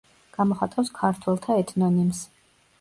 გამოხატავს ქართველთა ეთნონიმს.